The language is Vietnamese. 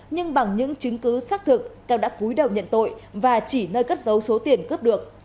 nhưng bằng những chứng cứ xác thực teo đã cúi đầu nhận tội và chỉ nơi cất dấu số tiền cướp được